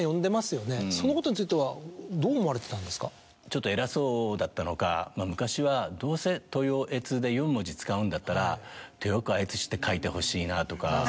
ちょっと偉そうだったのか、昔はどうせトヨエツで４文字使うんだったら豊川悦司って書いてほしいなとか。